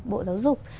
bộ giáo dục